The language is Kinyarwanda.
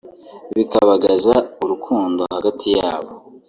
bikabagaza urukundo hagati yabo